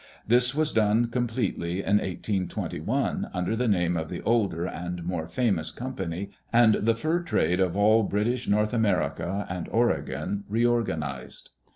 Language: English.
This was done completely in 1821, under the name of the older and more famous company, and the fur trade of all British North America and Oregon reorganized.